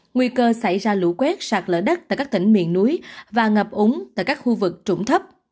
nguy cơ xảy ra lũ quét sạt lỡ đất tại các tỉnh miền núi và ngập úng tại các khu vực trụng thấp